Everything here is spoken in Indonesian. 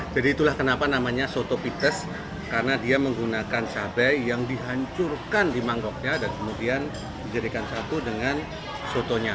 jadi itulah kenapa namanya soto pites karena dia menggunakan cabai yang dihancurkan di mangkoknya dan kemudian dijadikan satu dengan soto nya